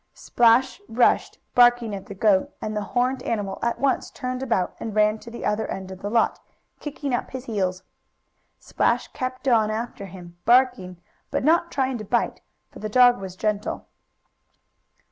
Splash rushed, barking, at the goat, and the horned animal at once turned about and ran to the other end of the lot, kicking up his heels. Splash kept on after him, barking, but not trying to bite, for the dog was gentle.